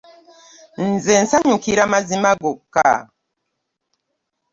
Nze nsanyukira mazima gwoka.